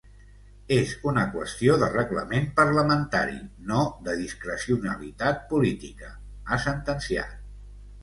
És una qüestió de reglament parlamentari, no de discrecionalitat política, ha sentenciat.